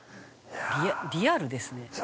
「リアルですね」